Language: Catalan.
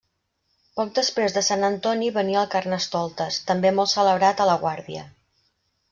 Poc després de Sant Antoni venia el Carnestoltes, també molt celebrat a la Guàrdia.